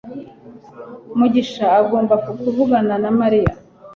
mugisha, ugomba kuvugana na Mariya